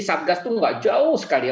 satgas itu tidak jauh sekali